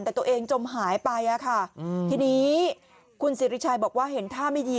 แต่ตัวเองจมหายไปค่ะทีนี้คุณสิริชัยบอกว่าเห็นท่าไม่ดี